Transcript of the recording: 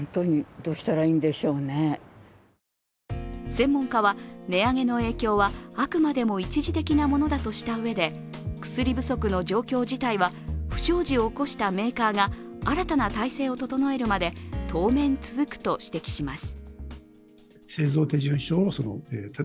専門家は値上げの影響は、あくまでも一時的なものだとしたうえで薬不足の状況自体は、不祥事を起こしたメーカーが新たな体制を整えるまで当面続くと指摘します。